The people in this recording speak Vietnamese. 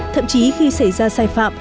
thậm chí khi xảy ra sai phạm